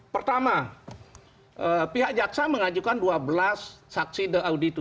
pertama pihak jaksa mengajukan dua belas saksi the auditu